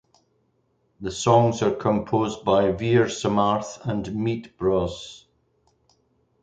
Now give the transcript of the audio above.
The songs are composed by Veer Samarth and Meet Bros.